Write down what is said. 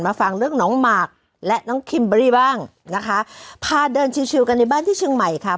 ฟังเรื่องน้องหมากและน้องคิมเบอรี่บ้างนะคะพาเดินชิวกันในบ้านที่เชียงใหม่ค่ะ